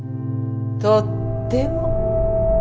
とっても。